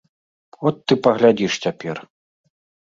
От ты паглядзіш цяпер.